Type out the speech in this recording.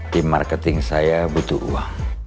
di marketing saya butuh uang